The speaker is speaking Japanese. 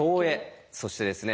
そしてですね